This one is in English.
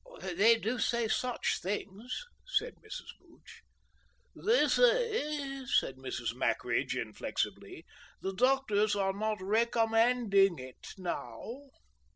"They do say such things!" said Mrs. Booch. "They say," said Mrs. Mackridge, inflexibly, "the doctors are not recomm an ding it now."